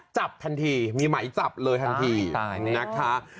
จับทันทีมีหมายจับเลยทันทีตายตายนักท้า